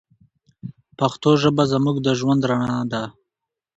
پښتو ژبه زموږ د ژوند رڼا ده.